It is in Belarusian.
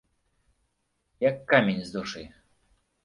Як камень з душы!